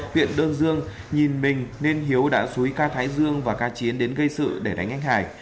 huyện đơn dương nhìn mình nên hiếu đã xúi ca thái dương và ca chiến đến gây sự để đánh anh hải